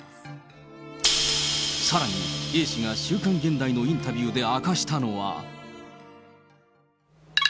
さらにＡ氏が週刊現代のインタビューで明かしたのは。